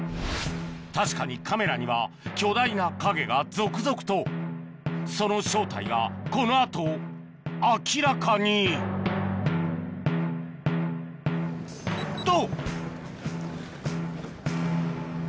確かにカメラには巨大な影が続々とその正体がこの後明らかにと！